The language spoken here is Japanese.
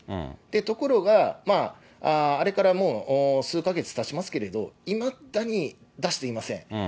ところが、あれからもう数か月たちますけれど、いまだに出していません。